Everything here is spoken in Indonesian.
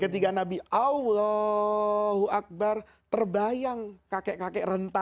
ketika nabi allahu akbar terbayang kakek kakek itu berdiri